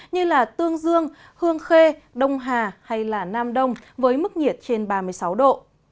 như tương dương hương khê đông hà hay nam đông với mức nhiệt trên ba mươi sáu độ